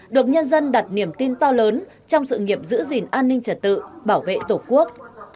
được nhân dân đặt niềm tin to lớn trong sự nghiệp giữ gìn an ninh trật tự bảo vệ tổ quốc